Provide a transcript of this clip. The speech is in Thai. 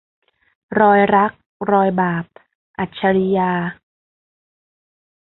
รอยรัก รอยบาป - อัจฉรียา